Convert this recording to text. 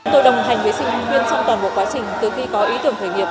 tôi đồng hành với sinh viên trong toàn bộ quá trình từ khi có ý tưởng khởi nghiệp